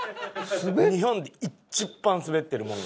日本で一番スベってるもんがある。